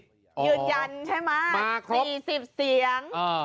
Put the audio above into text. อยู่จันทร์ใช่มั้ย๔๐เสียง